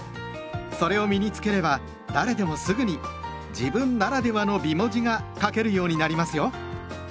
それを身に付ければ誰でもすぐに「自分ならではの美文字」が書けるようになりますよ。